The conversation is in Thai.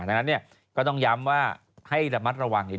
ดังนั้นก็ต้องย้ำว่า